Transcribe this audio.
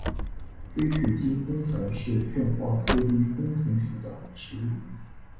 锥序丁公藤是旋花科丁公藤属的植物。